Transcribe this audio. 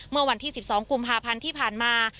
เมื่อวันที่๑๒กุมภาพันธ์ที่ผ่านมา